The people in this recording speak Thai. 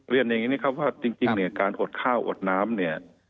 เรียนอย่างนี้นะครับว่าจริงเนี่ยการอดข้าวอดน้ำเนี่ย